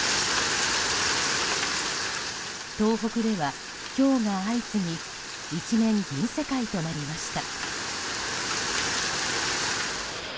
東北では、ひょうが相次ぎ一面銀世界となりました。